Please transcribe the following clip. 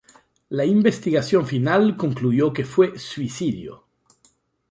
La investigación final concluyó que fue suicidio.